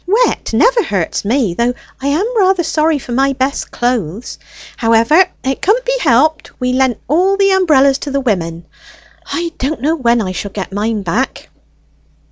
"Wet never hurts me, though I am rather sorry for my best clothes. However, it couldn't be helped; we lent all the umbrellas to the women. I don't know when I shall get mine back!"